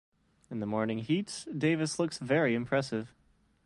In the morning heats, Davis looked very impressive.